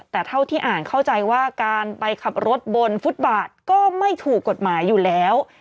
แต่เท่าที่อ่านเข้าใจว่าการไปขับรถบนฟุตบาทก็ไม่ถูกกฎหมายอยู่แล้ว